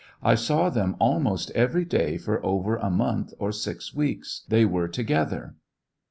I saw them almost every day for over a month or six weeks ; they were together.